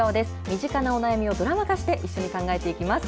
身近なお悩みをドラマ化して、一緒に考えていきます。